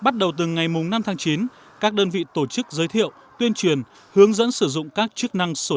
từ ngày năm tháng chín các đơn vị tổ chức giới thiệu tuyên truyền hướng dẫn sử dụng các chức năng sổ